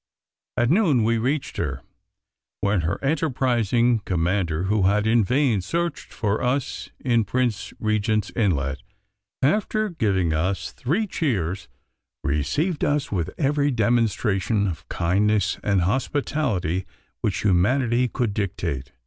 At noon we reached her, when her enterprising commander, who had in vain searched for us in Prince Regent's Inlet, after giving us three cheers, received us with every demonstration of kindness and hospitality, which humanity could dictate.